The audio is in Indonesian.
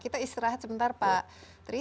kita istirahat sebentar pak tri